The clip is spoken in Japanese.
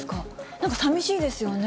なんかさみしいですよね。